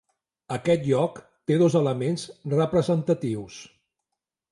Aquest lloc té dos elements representatius.